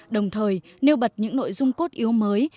đồng thời nêu bật những nội dung cốt yếu mới